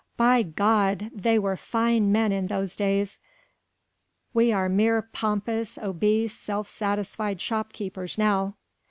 By God! they were fine men in those days we are mere pompous, obese, self satisfied shopkeepers now."